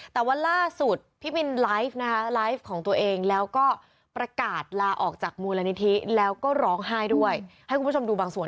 แต่ว่าล่าสุดพี่บินไลฟ์นะคะไลฟ์ของตัวเองแล้วก็ประกาศลาออกจากมูลนิธิแล้วก็ร้องไห้ด้วยให้คุณผู้ชมดูบางส่วน